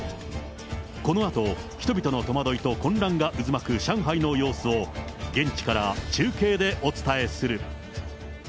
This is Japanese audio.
このあと、人々の戸惑いと混乱が渦巻く上海の様子を、現地から中継でお伝えする。